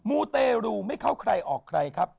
มูเตรูไม่เข้าใครออกใครครับ